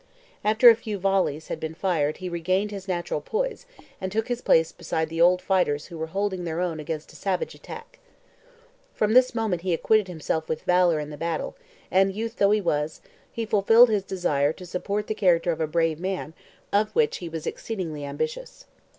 After a few volleys had been fired he regained his natural poise and took his place beside the old fighters who were holding their own against a savage attack. From this moment he acquitted himself with valour in the battle, and, youth though he was, he fulfilled his desire 'to support the character of a brave man of which he was exceedingly ambitious.'